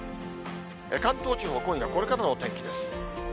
関東地方、今夜これからのお天気です。